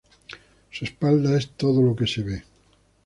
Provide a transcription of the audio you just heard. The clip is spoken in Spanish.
Su espalda es todo lo que se ve.